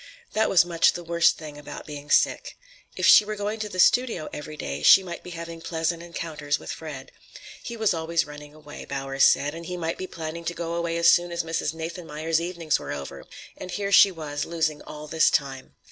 That was much the worst thing about being sick. If she were going to the studio every day, she might be having pleasant encounters with Fred. He was always running away, Bowers said, and he might be planning to go away as soon as Mrs. Nathanmeyer's evenings were over. And here she was losing all this time!